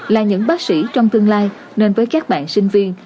là những bác sĩ trong tương lai nên với các bạn sinh viên